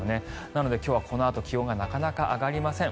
なので今日はこのあと気温がなかなか上がりません。